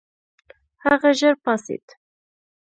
هغه ژر پاڅېد.